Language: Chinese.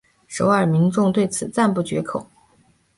首尔民众对此赞不绝口。